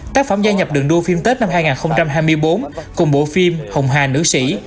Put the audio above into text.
tác phẩm gia nhập đường đua phim tết năm hai nghìn hai mươi bốn cùng bộ phim hồng hà nữ sĩ